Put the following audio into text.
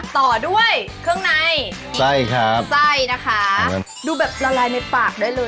ต่อด้วยเครื่องในใส่นะคะดูแบบละลายในปากด้วยเลย